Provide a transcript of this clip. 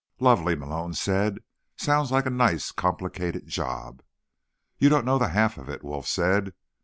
"Lovely," Malone said. "Sounds like a nice complicated job." "You don't know the half of it," Wolf said.